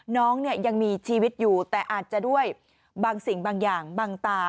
น้องเนี่ยยังมีชีวิตอยู่แต่อาจจะด้วยบางสิ่งบางอย่างบางตา